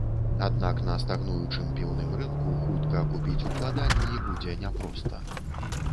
Аднак на стагнуючым піўным рынку хутка акупіць укладанні будзе няпроста.